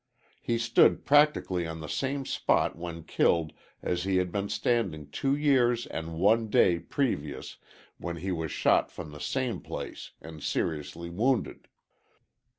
He stood practically on the same spot when killed as he had been standing two years and one day previous when he was shot from the same place and seriously wounded.